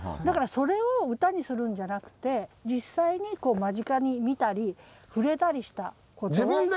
だからそれを歌にするんじゃなくて実際に間近に見たり触れたりしたことを。